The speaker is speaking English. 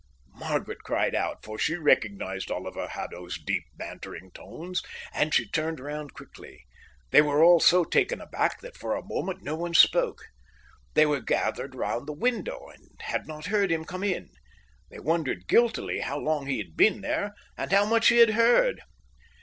Margaret cried out, for she recognized Oliver Haddo's deep bantering tones; and she turned round quickly. They were all so taken aback that for a moment no one spoke. They were gathered round the window and had not heard him come in. They wondered guiltily how long he had been there and how much he had heard.